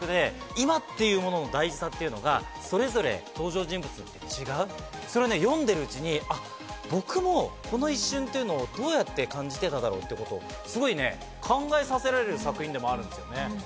今っていうものの大事さっていうのがそれぞれ登場人物によって違うそれね読んでるうちにあっ僕もこの一瞬っていうのをどうやって感じてただろうってことをすごい考えさせられる作品でもあるんですよね。